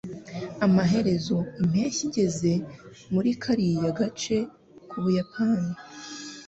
Amaherezo, impeshyi igeze muri kariya gace k'Ubuyapani.